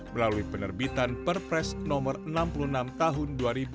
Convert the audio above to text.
melalui penerbitan perpres nomor enam puluh enam tahun dua ribu dua puluh